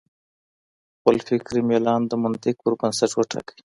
خپل فکري میلان د منطق پر بنسټ وټاکئ.